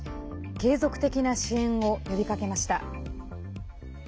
継続的な支援を呼びかけました。